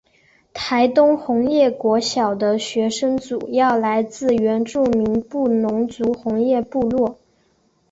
台东红叶国小的学生主要来自原住民布农族红叶部落。